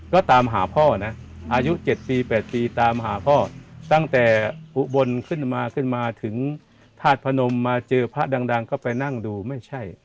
ก็ตามหาพ่อนะอายุ๗ปี๘ปีตามหาพ่อตั้งแต่อุบลขึ้นมาขึ้นมาถึงธาตุพนมมาเจอพระดังก็ไปนั่งดูไม่ใช่